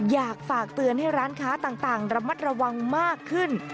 อยากฝากเตือนให้ร้านค้าต่างระมัดระวังมากขึ้น